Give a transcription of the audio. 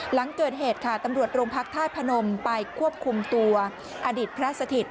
หลังเกิดเหตุค่ะตำรวจโรงพักธาตุพนมไปควบคุมตัวอดีตพระสถิต